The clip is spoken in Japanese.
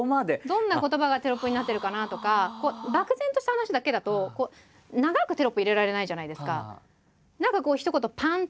どんな言葉がテロップになってるかなとか漠然とした話だけだとこう長くテロップ入れられないじゃないですか。